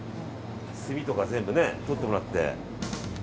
墨とか全部とってもらって。